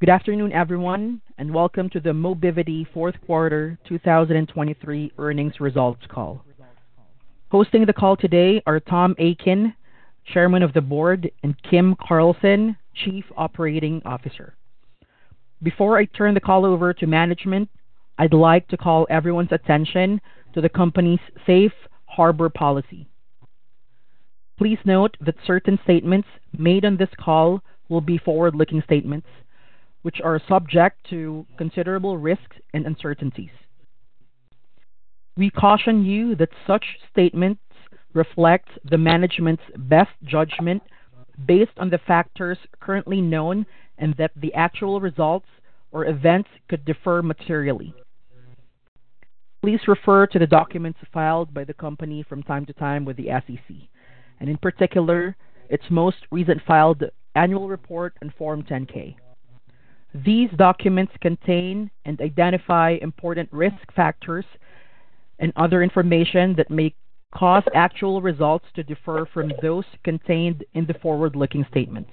Good afternoon, everyone, and welcome to the Mobivity fourth quarter 2023 earnings results call. Hosting the call today are Tom Akin, Chairman of the Board, and Kim Carlson, Chief Operating Officer. Before I turn the call over to management, I'd like to call everyone's attention to the company's safe harbor policy. Please note that certain statements made on this call will be forward-looking statements, which are subject to considerable risks and uncertainties. We caution you that such statements reflect the management's best judgment based on the factors currently known, and that the actual results or events could differ materially. Please refer to the documents filed by the company from time to time with the SEC, and in particular, its most recent filed annual report and Form 10-K. These documents contain and identify important risk factors and other information that may cause actual results to differ from those contained in the forward-looking statements.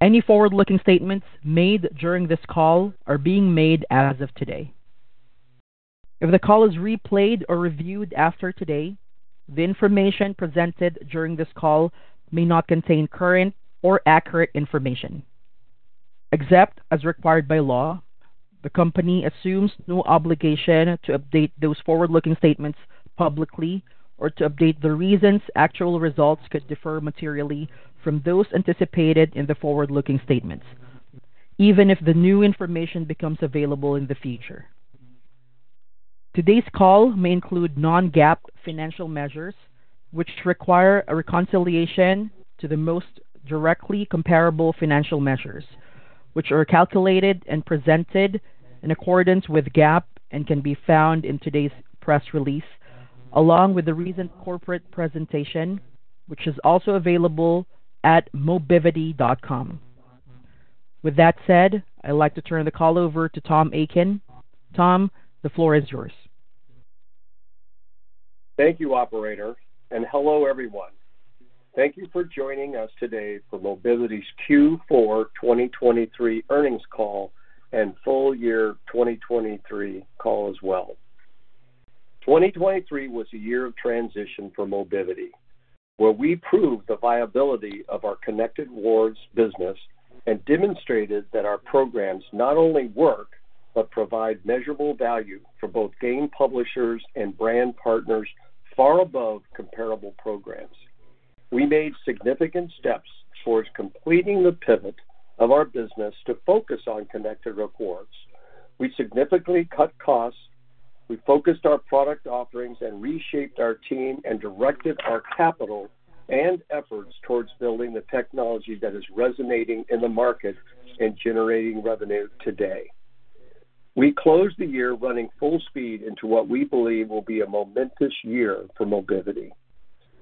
Any forward-looking statements made during this call are being made as of today. If the call is replayed or reviewed after today, the information presented during this call may not contain current or accurate information. Except as required by law, the company assumes no obligation to update those forward-looking statements publicly or to update the reasons actual results could differ materially from those anticipated in the forward-looking statements, even if the new information becomes available in the future. Today's call may include non-GAAP financial measures, which require a reconciliation to the most directly comparable financial measures, which are calculated and presented in accordance with GAAP and can be found in today's press release, along with the recent corporate presentation, which is also available at mobivity.com. With that said, I'd like to turn the call over to Tom Akin. Tom, the floor is yours. Thank you, operator, and hello, everyone. Thank you for joining us today for Mobivity's Q4 2023 earnings call and full year 2023 call as well. 2023 was a year of transition for Mobivity, where we proved the viability of our Connected Rewards business and demonstrated that our programs not only work, but provide measurable value for both game publishers and brand partners far above comparable programs. We made significant steps towards completing the pivot of our business to focus on Connected Rewards. We significantly cut costs. We focused our product offerings and reshaped our team and directed our capital and efforts towards building the technology that is resonating in the market and generating revenue today. We closed the year running full speed into what we believe will be a momentous year for Mobivity.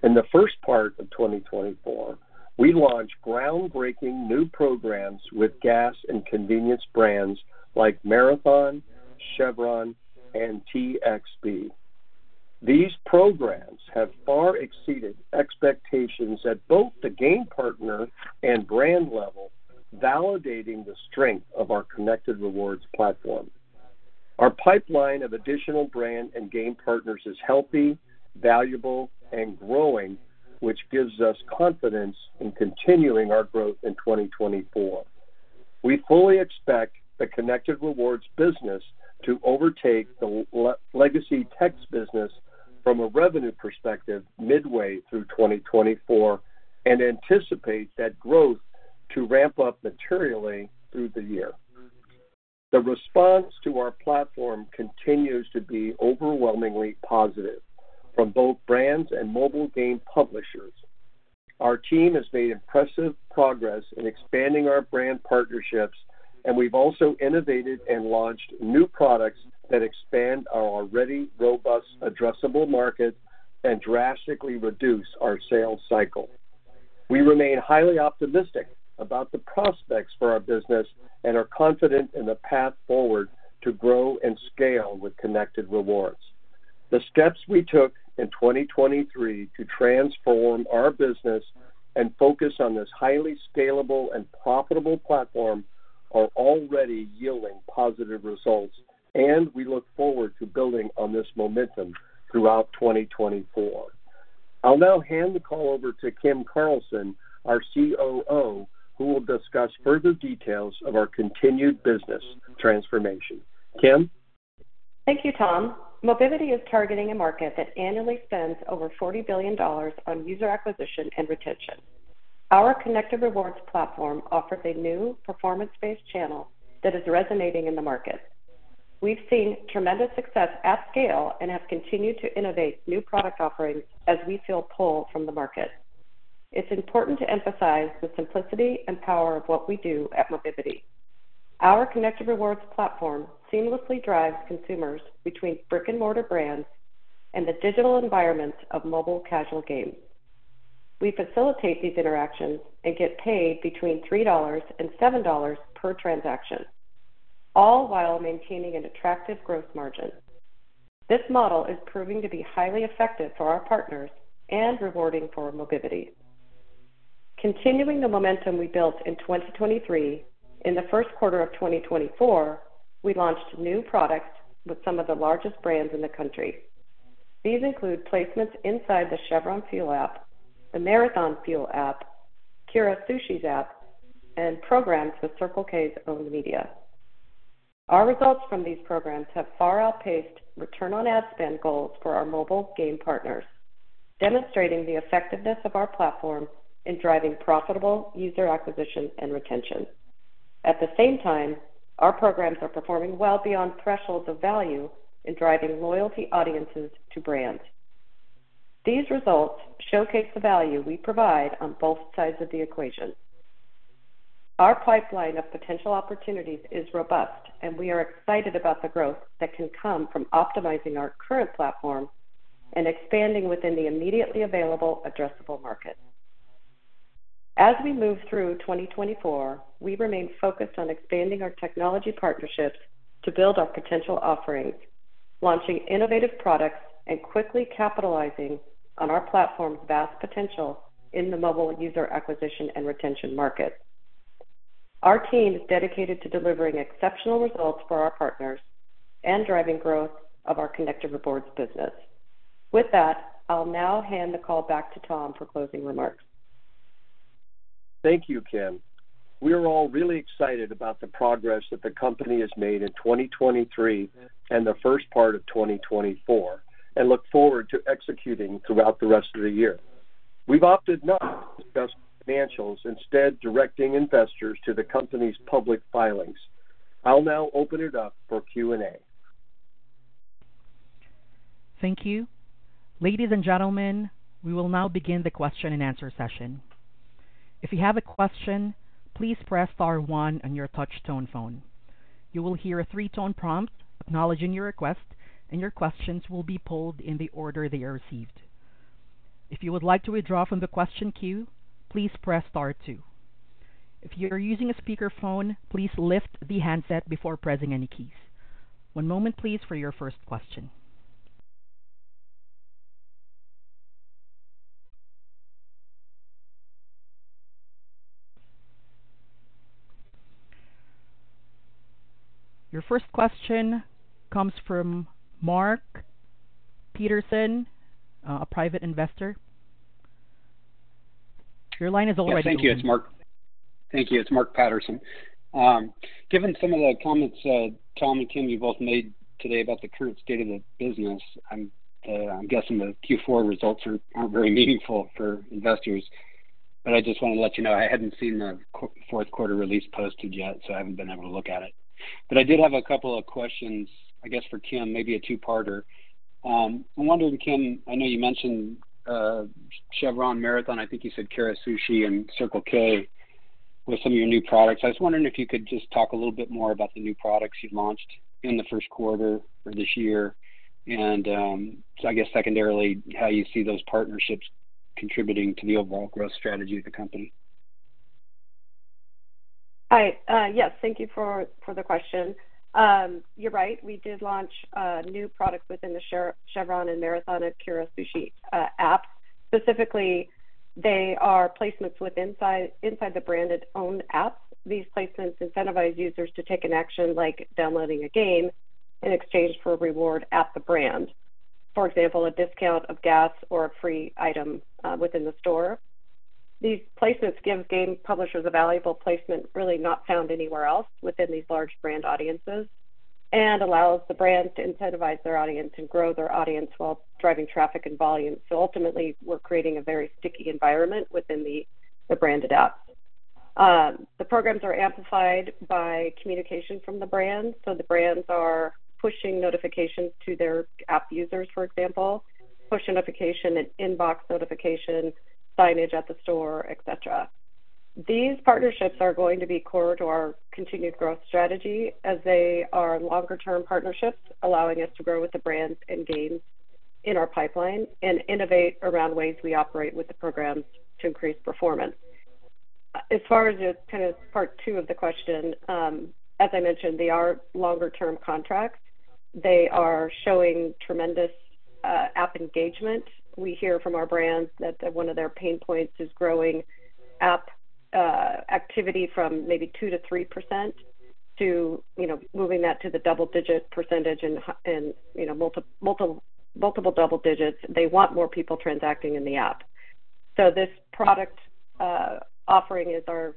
In the first part of 2024, we launched groundbreaking new programs with gas and convenience brands like Marathon, Chevron, and TXB. These programs have far exceeded expectations at both the game partner and brand level, validating the strength of our Connected Rewards platform. Our pipeline of additional brand and game partners is healthy, valuable, and growing, which gives us confidence in continuing our growth in 2024. We fully expect the Connected Rewards business to overtake the legacy text business from a revenue perspective midway through 2024, and anticipate that growth to ramp up materially through the year. The response to our platform continues to be overwhelmingly positive from both brands and mobile game publishers. Our team has made impressive progress in expanding our brand partnerships, and we've also innovated and launched new products that expand our already robust addressable market and drastically reduce our sales cycle. We remain highly optimistic about the prospects for our business and are confident in the path forward to grow and scale with Connected Rewards. The steps we took in 2023 to transform our business and focus on this highly scalable and profitable platform are already yielding positive results, and we look forward to building on this momentum throughout 2024. I'll now hand the call over to Kim Carlson, our COO, who will discuss further details of our continued business transformation. Kim? Thank you, Tom. Mobivity is targeting a market that annually spends over $40 billion on user acquisition and retention. Our Connected Rewards platform offers a new performance-based channel that is resonating in the market. We've seen tremendous success at scale and have continued to innovate new product offerings as we feel pull from the market. It's important to emphasize the simplicity and power of what we do at Mobivity. Our Connected Rewards platform seamlessly drives consumers between brick-and-mortar brands and the digital environments of mobile casual games. We facilitate these interactions and get paid between $3-$7 per transaction, all while maintaining an attractive gross margin. This model is proving to be highly effective for our partners and rewarding for Mobivity. Continuing the momentum we built in 2023, in the first quarter of 2024, we launched new products with some of the largest brands in the country. These include placements inside the Chevron fuel app, the Marathon fuel app, Kura Sushi's app, and programs with Circle K's owned media. Our results from these programs have far outpaced return on ad spend goals for our mobile game partners, demonstrating the effectiveness of our platform in driving profitable user acquisition and retention. At the same time, our programs are performing well beyond thresholds of value in driving loyalty audiences to brands. These results showcase the value we provide on both sides of the equation. Our pipeline of potential opportunities is robust, and we are excited about the growth that can come from optimizing our current platform and expanding within the immediately available addressable market. As we move through 2024, we remain focused on expanding our technology partnerships to build our potential offerings, launching innovative products and quickly capitalizing on our platform's vast potential in the mobile user acquisition and retention market. Our team is dedicated to delivering exceptional results for our partners and driving growth of our Connected Rewards business. With that, I'll now hand the call back to Tom for closing remarks. Thank you, Kim. We are all really excited about the progress that the company has made in 2023 and the first part of 2024, and look forward to executing throughout the rest of the year. We've opted not to discuss financials, instead directing investors to the company's public filings. I'll now open it up for Q&A. Thank you. Ladies and gentlemen, we will now begin the question-and-answer session. If you have a question, please press star one on your touchtone phone. You will hear a three-tone prompt acknowledging your request, and your questions will be pulled in the order they are received. If you would like to withdraw from the question queue, please press star two. If you are using a speakerphone, please lift the handset before pressing any keys. One moment, please, for your first question. Your first question comes from Mark Patterson, a private investor. Your line is open. Thank you. It's Mark. Thank you. It's Mark Patterson. Given some of the comments, Tom and Kim, you both made today about the current state of the business, I'm guessing the Q4 results aren't very meaningful for investors. But I just want to let you know, I hadn't seen the fourth quarter release posted yet, so I haven't been able to look at it. But I did have a couple of questions, I guess, for Kim, maybe a two-parter. I'm wondering, Kim, I know you mentioned Chevron, Marathon, I think you said Kura Sushi and Circle K, with some of your new products. I was wondering if you could just talk a little bit more about the new products you've launched in the first quarter or this year, and, so I guess secondarily, how you see those partnerships contributing to the overall growth strategy of the company? Hi. Yes, thank you for the question. You're right, we did launch a new product within the Chevron and Marathon and Kura Sushi app. Specifically, they are placements within the branded own apps. These placements incentivize users to take an action, like downloading a game, in exchange for a reward at the brand. For example, a discount of gas or a free item within the store. These placements give game publishers a valuable placement, really not found anywhere else within these large brand audiences, and allows the brands to incentivize their audience and grow their audience while driving traffic and volume. So ultimately, we're creating a very sticky environment within the branded app. The programs are amplified by communication from the brands, so the brands are pushing notifications to their app users, for example, push notification and inbox notification, signage at the store, et cetera. These partnerships are going to be core to our continued growth strategy as they are longer-term partnerships, allowing us to grow with the brands and games in our pipeline and innovate around ways we operate with the programs to increase performance. As far as the kind of part two of the question, as I mentioned, they are longer-term contracts. They are showing tremendous app engagement. We hear from our brands that one of their pain points is growing app activity from maybe 2%-3% to, you know, moving that to the double-digit percentage and, you know, multiple double digits. They want more people transacting in the app. This product offering is our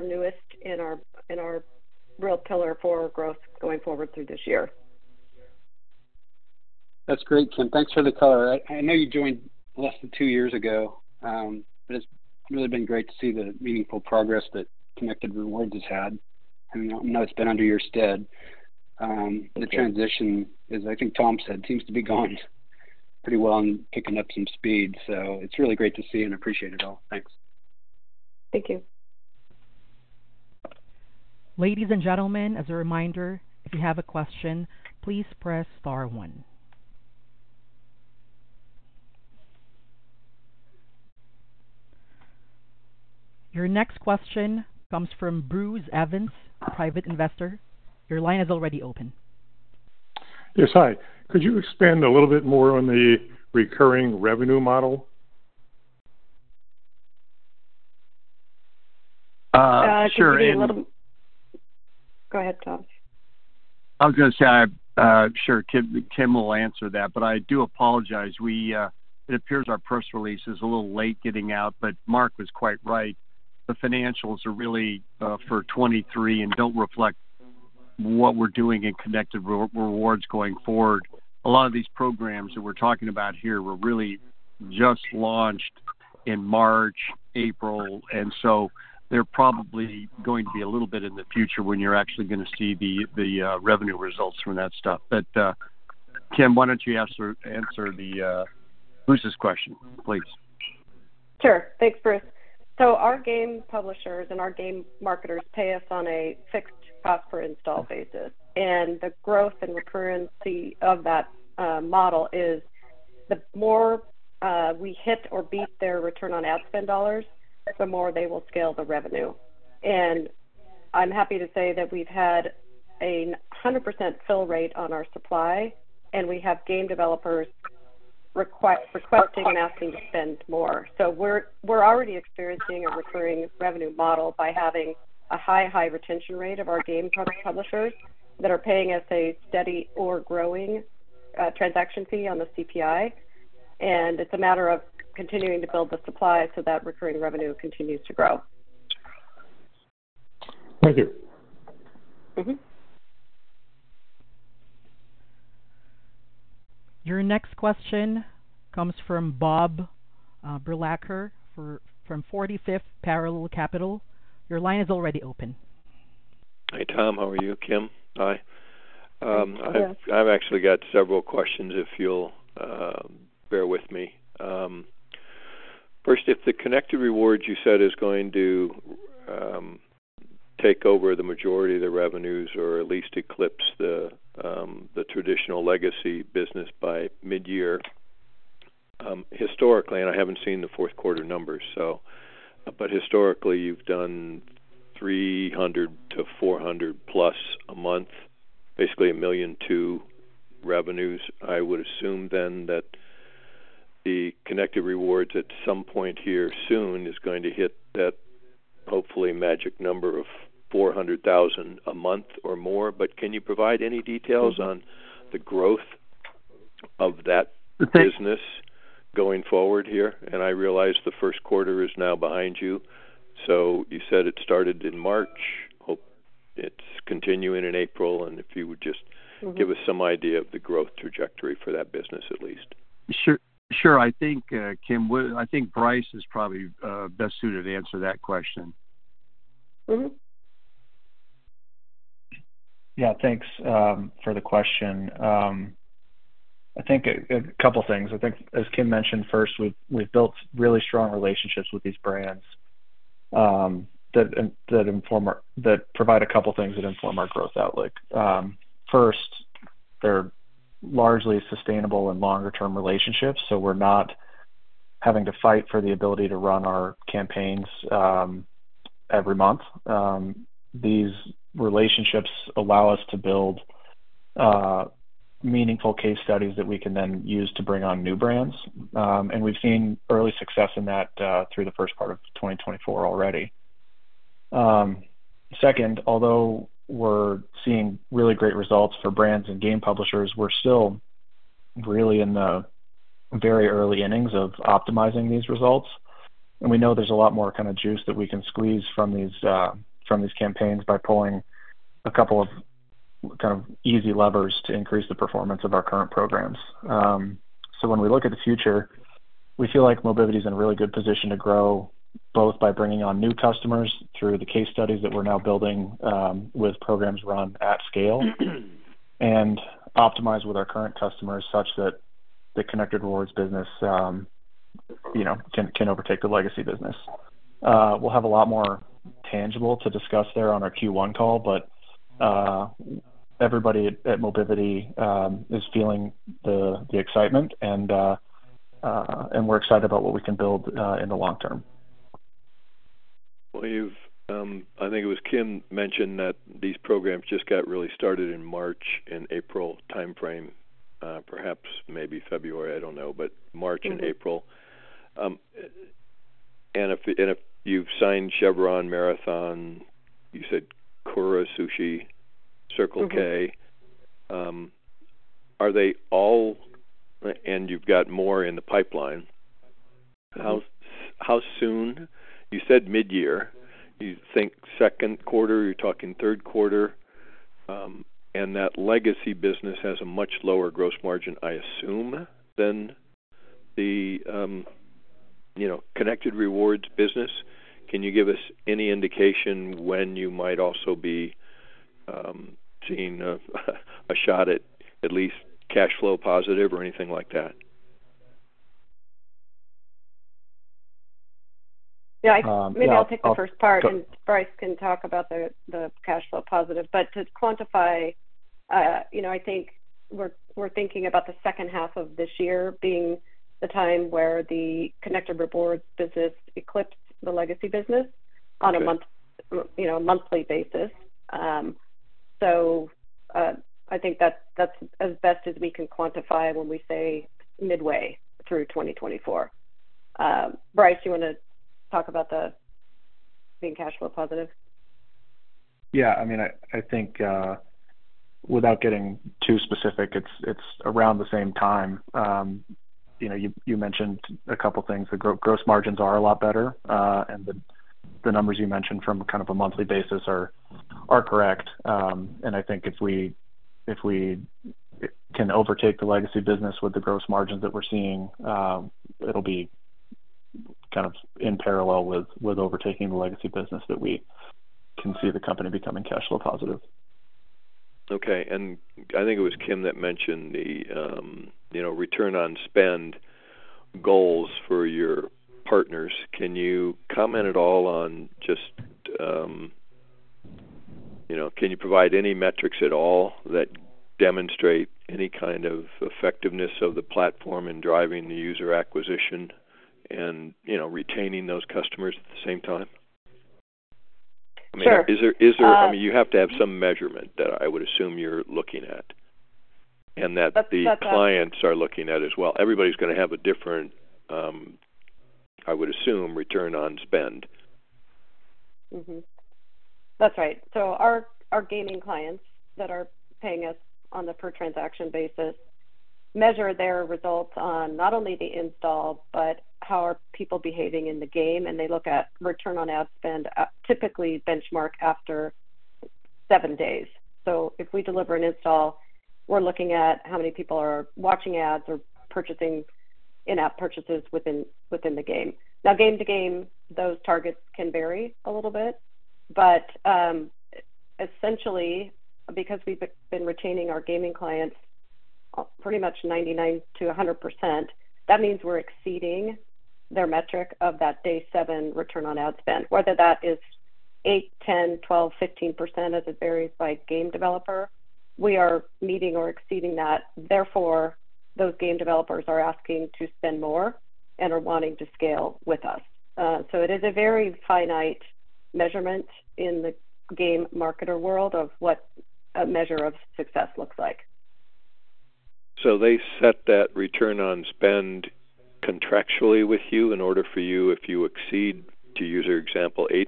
newest and our real pillar for growth going forward through this year. That's great, Kim. Thanks for the color. I, I know you joined less than two years ago, but it's really been great to see the meaningful progress that Connected Rewards has had, and I know it's been under your stead. The transition, as I think Tom said, seems to be going pretty well and picking up some speed, so it's really great to see and appreciate it all. Thanks. Thank you. Ladies and gentlemen, as a reminder, if you have a question, please press star one. Your next question comes from Bruce Evans, private investor. Your line is already open. Yes. Hi. Could you expand a little bit more on the recurring revenue model? Uh, sure. Go ahead, Tom. I was going to say, sure, Kim, Kim will answer that, but I do apologize. We, it appears our press release is a little late getting out, but Mark was quite right. The financials are really for 2023 and don't reflect what we're doing in Connected Rewards going forward. A lot of these programs that we're talking about here were really just launched in March, April, and so they're probably going to be a little bit in the future when you're actually going to see the revenue results from that stuff. But, Kim, why don't you answer the Bruce's question, please? Sure. Thanks, Bruce. So our game publishers and our game marketers pay us on a fixed cost per install basis, and the growth and recurrency of that model is the more we hit or beat their return on ad spend dollars, the more they will scale the revenue. And I'm happy to say that we've had a 100% fill rate on our supply, and we have game developers requesting and asking to spend more. So we're already experiencing a recurring revenue model by having a high retention rate of our game publishers that are paying us a steady or growing transaction fee on the CPI. And it's a matter of continuing to build the supply so that recurring revenue continues to grow. Thank you. Mm-hmm. Your next question comes from Bob Berlacher from 45th Parallel Capital. Your line is already open. Hey, Tom, how are you? Kim, hi. Yes. I've actually got several questions, if you'll bear with me. First, if the Connected Rewards you said is going to take over the majority of the revenues, or at least eclipse the traditional legacy business by mid-year. Historically, and I haven't seen the fourth quarter numbers, so... But historically, you've done $300,000-$400,000+ a month, basically $1.2 million revenues. I would assume then that the Connected Rewards at some point here soon is going to hit that hopefully magic number of $400,000 a month or more. But can you provide any details on the growth of that business going forward here? And I realize the first quarter is now behind you, so you said it started in March. Hope it's continuing in April, and if you would just- Mm-hmm. Give us some idea of the growth trajectory for that business, at least. Sure, sure. I think, Kim, I think Bryce is probably best suited to answer that question. Mm-hmm. Yeah, thanks for the question. I think a couple things. I think as Kim mentioned, first, we've built really strong relationships with these brands that provide a couple of things that inform our growth outlook. First, they're largely sustainable and longer-term relationships, so we're not having to fight for the ability to run our campaigns every month. These relationships allow us to build meaningful case studies that we can then use to bring on new brands, and we've seen early success in that through the first part of 2024 already. Second, although we're seeing really great results for brands and game publishers, we're still really in the very early innings of optimizing these results, and we know there's a lot more kind of juice that we can squeeze from these, from these campaigns by pulling a couple of kind of easy levers to increase the performance of our current programs. So when we look at the future, we feel like Mobivity is in a really good position to grow, both by bringing on new customers through the case studies that we're now building, with programs run at scale, and optimize with our current customers such that the Connected Rewards business, you know, can, can overtake the legacy business. We'll have a lot more tangible to discuss there on our Q1 call, but everybody at Mobivity is feeling the excitement, and we're excited about what we can build in the long term. Well, you've, I think it was Kim, mentioned that these programs just got really started in March and April timeframe, perhaps, maybe February, I don't know, but March and April. And if you've signed Chevron, Marathon, you said Kura Sushi- Mm-hmm. Circle K, are they all... And you've got more in the pipeline. How soon? You said mid-year. You think second quarter, you're talking third quarter, and that legacy business has a much lower gross margin, I assume, than the, you know, Connected Rewards business. Can you give us any indication when you might also be seeing a shot at least cash flow positive or anything like that? Yeah, I- Um, yeah. Maybe I'll take the first part- Go. and Bryce can talk about the cash flow positive. But to quantify... You know, I think we're thinking about the second half of this year being the time where the connected rewards business eclipsed the legacy business- Okay. -on a month, you know, a monthly basis. So, I think that's as best as we can quantify it when we say midway through 2024. Bryce, you wanna talk about the being cash flow positive? Yeah, I mean, I think, without getting too specific, it's, it's around the same time. You know, you, you mentioned a couple things. The gross margins are a lot better, and the, the numbers you mentioned from kind of a monthly basis are, are correct. And I think if we, if we can overtake the legacy business with the gross margins that we're seeing, it'll be kind of in parallel with, with overtaking the legacy business that we can see the company becoming cash flow positive. Okay, and I think it was Kim that mentioned the, you know, return on spend goals for your partners. Can you comment at all on just, you know, can you provide any metrics at all that demonstrate any kind of effectiveness of the platform in driving the user acquisition and, you know, retaining those customers at the same time? Sure. I mean, is there—I mean, you have to have some measurement that I would assume you're looking at, and that- That's, that's- -the clients are looking at as well. Everybody's gonna have a different, I would assume, return on spend. Mm-hmm. That's right. So our, our gaming clients that are paying us on the per transaction basis measure their results on not only the install, but how are people behaving in the game, and they look at return on ad spend, typically benchmark after seven days. So if we deliver an install, we're looking at how many people are watching ads or purchasing in-app purchases within, within the game. Now, game to game, those targets can vary a little bit, but, essentially, because we've been retaining our gaming clients pretty much 99%-100%, that means we're exceeding their metric of that day seven return on ad spend, whether that is 8%, 10%, 12%, 15%, as it varies by game developer, we are meeting or exceeding that. Therefore, those game developers are asking to spend more and are wanting to scale with us. It is a very finite measurement in the game marketer world of what a measure of success looks like. So they set that return on spend contractually with you in order for you, if you exceed, to use your example, 8%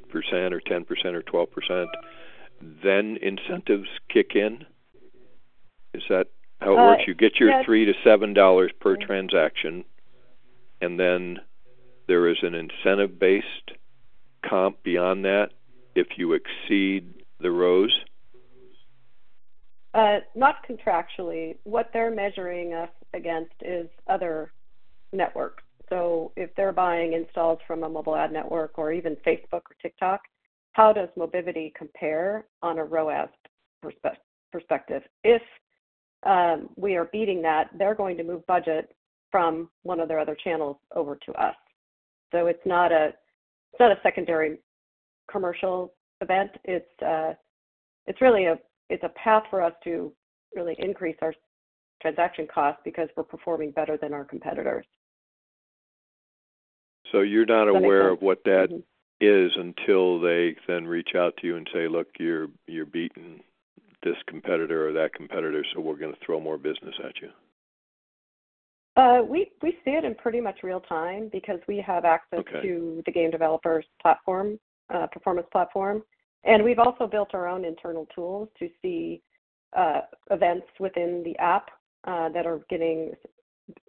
or 10% or 12%, then incentives kick in? Is that how it works? Uh, yes. You get your $3-$7 per transaction, and then there is an incentive-based comp beyond that, if you exceed the ROAS? Not contractually. What they're measuring us against is other networks. So if they're buying installs from a mobile ad network or even Facebook or TikTok, how does Mobivity compare on a ROAS perspective? If we are beating that, they're going to move budget from one of their other channels over to us. So it's not a secondary commercial event, it's really a path for us to really increase our transaction costs because we're performing better than our competitors. So you're not aware- Mm-hmm... of what that is until they then reach out to you and say, "Look, you're, you're beating this competitor or that competitor, so we're gonna throw more business at you? We see it in pretty much real time because we have access- Okay... to the game developers platform, performance platform, and we've also built our own internal tools to see events within the app that are getting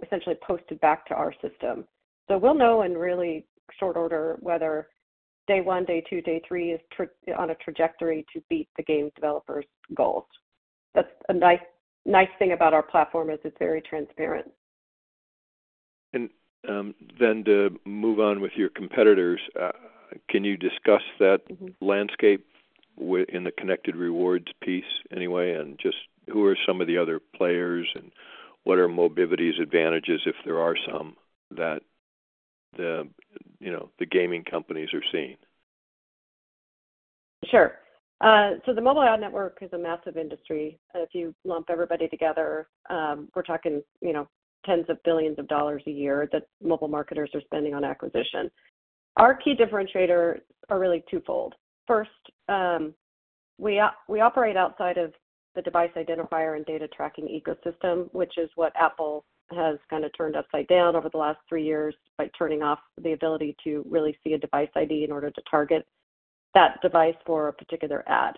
essentially posted back to our system. So we'll know in really short order whether day one, day two, day three is on a trajectory to beat the game developer's goals. That's a nice, nice thing about our platform is it's very transparent. Then, to move on with your competitors, can you discuss that? Mm-hmm in the Connected Rewards piece anyway, and just who are some of the other players, and what are Mobivity's advantages, if there are some, that the, you know, the gaming companies are seeing? Sure. So the mobile ad network is a massive industry, and if you lump everybody together, we're talking, you know, tens of billions of dollars a year that mobile marketers are spending on acquisition. Our key differentiators are really twofold. First, we operate outside of the device identifier and data tracking ecosystem, which is what Apple has kind of turned upside down over the last three years by turning off the ability to really see a device ID in order to target that device for a particular ad.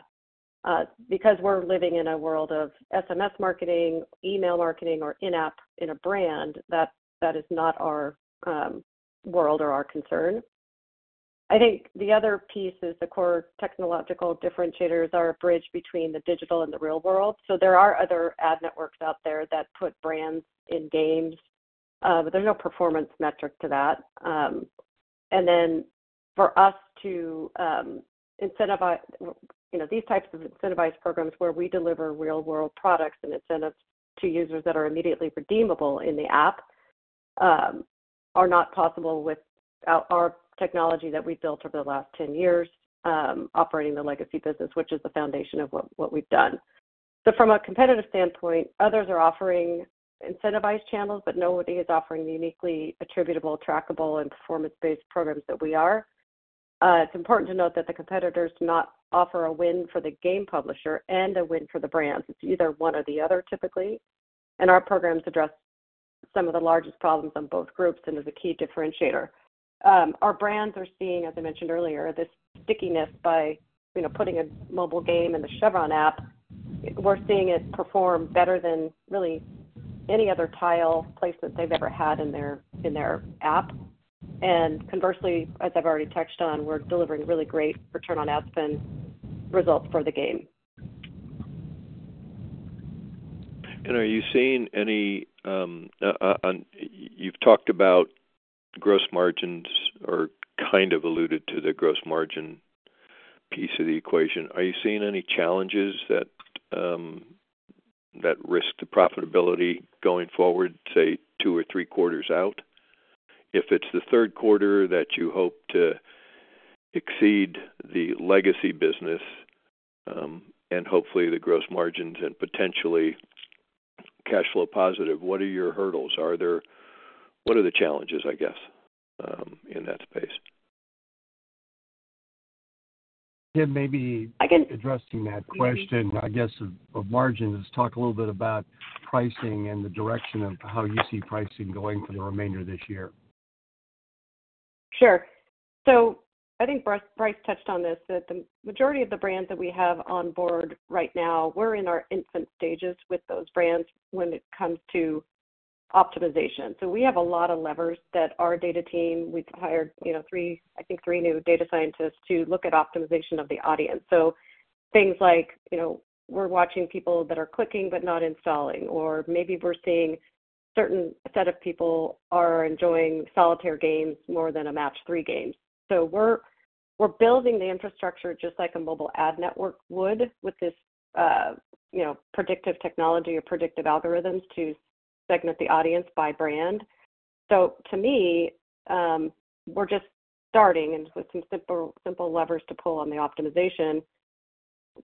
Because we're living in a world of SMS marketing, email marketing, or in-app in a brand, that is not our world or our concern. I think the other piece is the core technological differentiators are a bridge between the digital and the real world. So there are other ad networks out there that put brands in games, but there's no performance metric to that. And then for us to, you know, these types of incentivized programs, where we deliver real-world products and incentives to users that are immediately redeemable in the app are not possible with our technology that we've built over the last 10 years, operating the legacy business, which is the foundation of what we've done. So from a competitive standpoint, others are offering incentivized channels, but nobody is offering the uniquely attributable, trackable, and performance-based programs that we are. It's important to note that the competitors do not offer a win for the game publisher and a win for the brands. It's either one or the other, typically, and our programs address some of the largest problems on both groups and is a key differentiator. Our brands are seeing, as I mentioned earlier, this stickiness by, you know, putting a mobile game in the Chevron app. We're seeing it perform better than really any other tile placement they've ever had in their, in their app. And conversely, as I've already touched on, we're delivering really great return on ad spend results for the game. Are you seeing any? You've talked about gross margins or kind of alluded to the gross margin piece of the equation. Are you seeing any challenges that that risk the profitability going forward, say, two or three quarters out? If it's the third quarter that you hope to exceed the legacy business, and hopefully the gross margins and potentially cash flow positive, what are your hurdles? Are there? What are the challenges, I guess, in that space? Kim, maybe- I can- Addressing that question, I guess, of margins, talk a little bit about pricing and the direction of how you see pricing going for the remainder of this year. Sure. So I think Bryce, Bryce touched on this, that the majority of the brands that we have on board right now, we're in our infant stages with those brands when it comes to optimization. So we have a lot of levers that our data team, we've hired, you know, three, I think, three new data scientists to look at optimization of the audience. So things like, you know, we're watching people that are clicking but not installing, or maybe we're seeing certain set of people are enjoying solitaire games more than a match-three games. So we're building the infrastructure just like a mobile ad network would with this, you know, predictive technology or predictive algorithms to segment the audience by brand. So to me, we're just starting, and with some simple levers to pull on the optimization,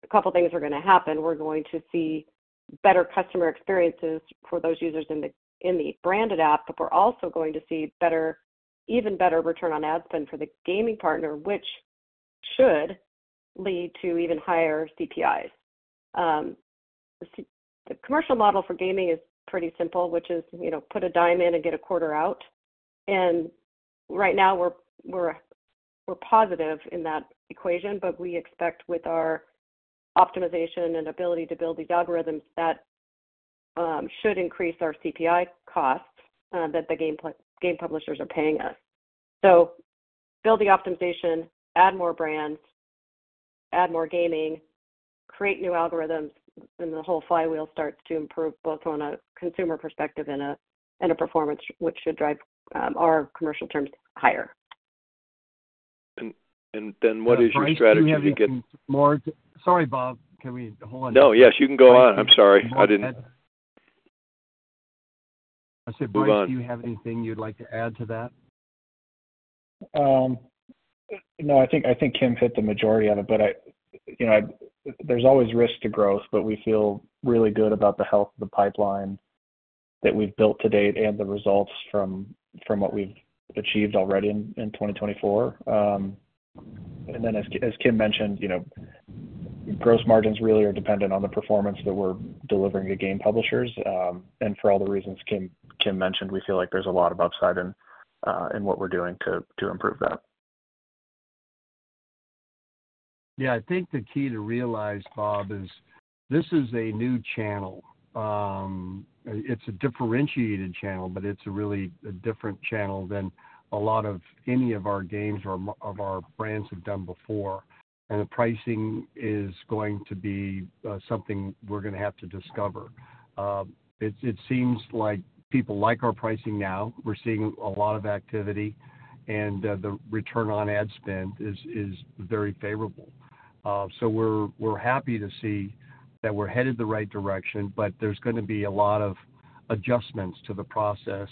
a couple things are going to happen. We're going to see better customer experiences for those users in the, in the branded app, but we're also going to see better, even better return on ad spend for the gaming partner, which should lead to even higher CPIs. The commercial model for gaming is pretty simple, which is, you know, put a dime in and get a quarter out. And right now we're positive in that equation, but we expect with our optimization and ability to build these algorithms that should increase our CPI costs that the game game publishers are paying us. So build the optimization, add more brands, add more gaming, create new algorithms, and the whole flywheel starts to improve, both on a consumer perspective and a, and a performance, which should drive our commercial terms higher. And then what is your strategy to get- Sorry, Bob, can we hold on? No. Yes, you can go on. I'm sorry. I didn't- I said, Bryce- Go on. - Do you have anything you'd like to add to that? No, I think Kim hit the majority of it, but you know, there's always risk to growth, but we feel really good about the health of the pipeline that we've built to date and the results from what we've achieved already in 2024. And then as Kim mentioned, you know, gross margins really are dependent on the performance that we're delivering to game publishers. And for all the reasons Kim mentioned, we feel like there's a lot of upside in what we're doing to improve that. Yeah, I think the key to realize, Bob, is this is a new channel. It's a differentiated channel, but it's really a different channel than a lot of any of our games or of our brands have done before. And the pricing is going to be something we're going to have to discover. It seems like people like our pricing now. We're seeing a lot of activity, and the return on ad spend is very favorable. So we're happy to see that we're headed the right direction, but there's going to be a lot of adjustments to the process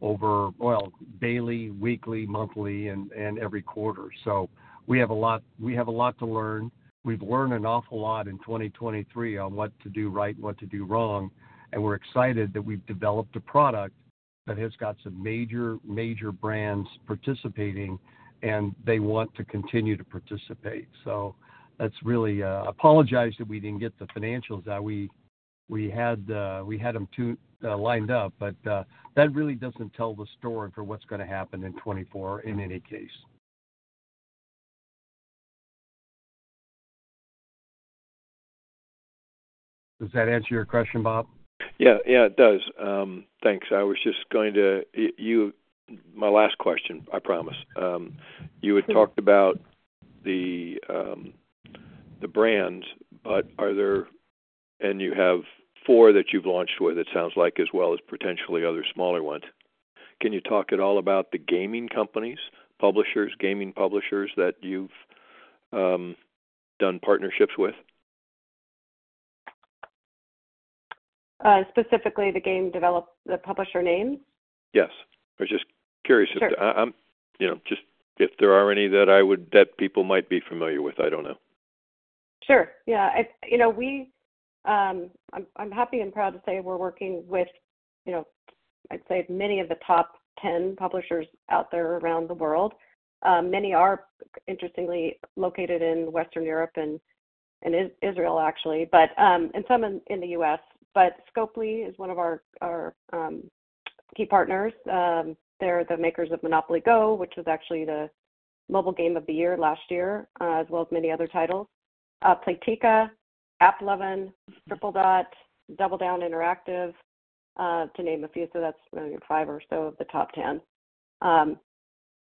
over, well, daily, weekly, monthly, and every quarter. So we have a lot... We have a lot to learn. We've learned an awful lot in 2023 on what to do right and what to do wrong, and we're excited that we've developed a product that has got some major, major brands participating, and they want to continue to participate. So that's really. I apologize that we didn't get the financials out. We had them too lined up, but that really doesn't tell the story for what's going to happen in 2024, in any case. Does that answer your question, Bob? Yeah. Yeah, it does. Thanks. My last question, I promise. You had talked about the brands, but are there -- and you have four that you've launched with, it sounds like, as well as potentially other smaller ones. Can you talk at all about the gaming companies, publishers, gaming publishers, that you've done partnerships with?... Specifically, the game developers, the publisher names? Yes. I was just curious if- Sure. I'm, you know, just if there are any that people might be familiar with. I don't know. Sure. Yeah, I, you know, we, I'm happy and proud to say we're working with, you know, I'd say many of the top 10 publishers out there around the world. Many are interestingly located in Western Europe and Israel, actually, but, and some in the U.S. But Scopely is one of our key partners. They're the makers of Monopoly GO!, which was actually the mobile game of the year last year, as well as many other titles. Playtika, AppLovin, Tripledot, DoubleDown Interactive, to name a few. So that's maybe five or so of the top 10.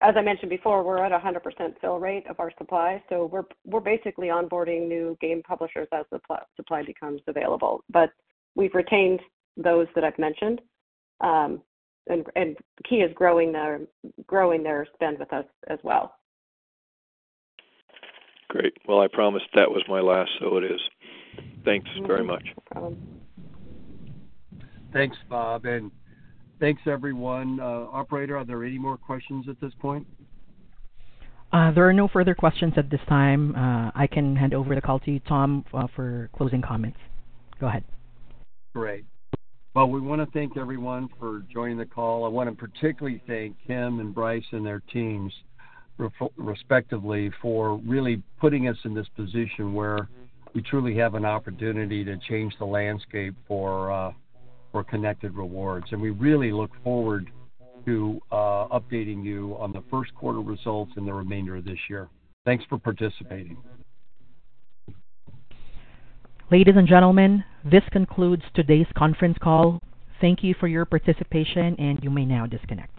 As I mentioned before, we're at a 100% fill rate of our supply, so we're basically onboarding new game publishers as the supply becomes available. But we've retained those that I've mentioned, and key is growing their spend with us as well. Great. Well, I promised that was my last, so it is. Thanks very much. No problem. Thanks, Bob, and thanks, everyone. Operator, are there any more questions at this point? There are no further questions at this time. I can hand over the call to you, Tom, for closing comments. Go ahead. Great. Well, we wanna thank everyone for joining the call. I wanna particularly thank Kim and Bryce and their teams, respectively, for really putting us in this position where we truly have an opportunity to change the landscape for Connected Rewards. And we really look forward to updating you on the first quarter results in the remainder of this year. Thanks for participating. Ladies and gentlemen, this concludes today's conference call. Thank you for your participation, and you may now disconnect.